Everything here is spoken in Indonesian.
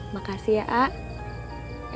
makasih ya a'ah